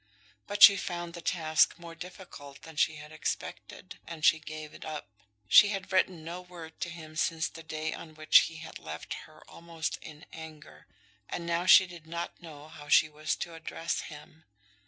But she found the task more difficult than she had expected, and she gave it up. She had written no word to him since the day on which he had left her almost in anger, and now she did not know how she was to address him.